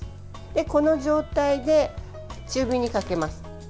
この状態で中火にかけます。